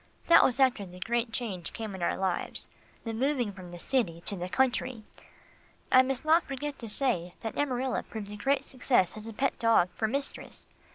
That was after the great change came in our lives the moving from the city to the country. I must not forget to say that Amarilla proved a great success as a pet dog for mistress.